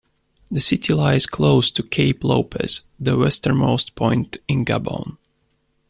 The city lies close to Cape Lopez, the westernmost point in Gabon.